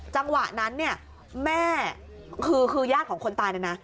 จังหวะนั้นเนี่ยแม่คือญาติของคนตายเนี่ยนะ